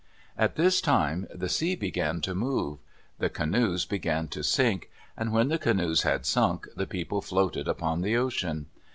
At this time the sea began to move. The canoes began to sink, and when the canoes had sunk, the people floated upon the ocean.